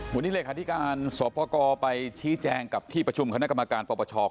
วันนี้แหละค่ะที่การสวพกไปชี้แจงกับที่ประชุมคณะกรรมการประประชา